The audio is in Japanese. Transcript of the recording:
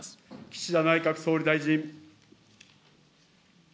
岸田内閣総理大臣。